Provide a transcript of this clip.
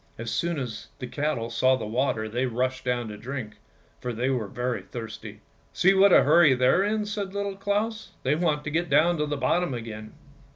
As soon as the cattle saw the water they rushed down to drink, for they were very thirsty. " See what a hurry i 5 6 ANDERSEN'S FAIRY TALES they're in," said Little Claus; " they want to get down to the bottom again."